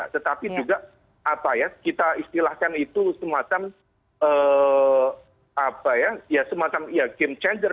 tetapi juga kita istilahkan itu semacam game changer